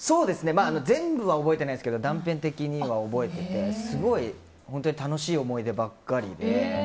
全部は覚えてないですけど断片的には覚えていてすごい楽しい思い出ばかりで。